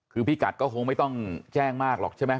คือพี่กัดก็คงไม่ต้องแจ้งมากหรอกใช่ไหม